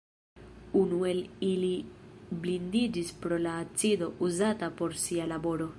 Unu el ili blindiĝis pro la acido uzata por sia laboro.